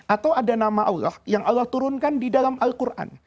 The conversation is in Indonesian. atau ada nama allah yang allah turunkan di dalam al quran